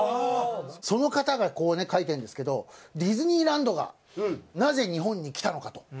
その方がこうね書いてるんですけどディズニーランドがなぜ日本に来たのかと。